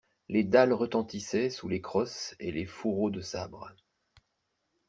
Les dalles retentissaient sous les crosses et les fourreaux de sabres.